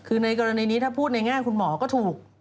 คือในกรณีนี้ถ้าพูดในแง่คุณหมอก็ถูก